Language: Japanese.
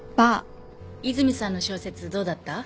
和泉さんの小説どうだった？